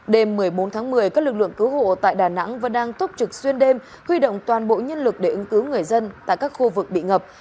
đêm một mươi bốn tháng một mươi các lực lượng cứu hộ tại đà nẵng vẫn đang túc trực xuyên đêm huy động toàn bộ nhân lực để ứng cứu người dân tại các khu vực bị ngập